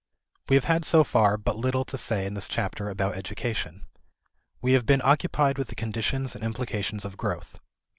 We have had so far but little to say in this chapter about education. We have been occupied with the conditions and implications of growth.